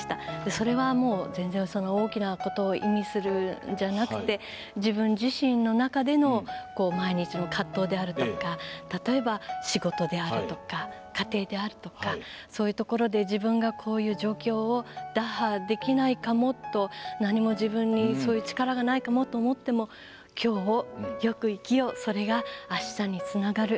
それはもう全然、大きなことを意味するんじゃなくて自分自身の中での毎日の葛藤であるとか仕事であるとかそういうところでこういう状況を打破できないかもと何も自分にそういう力がないかもと思っても今日もよく生きようそれがあしたにつながる。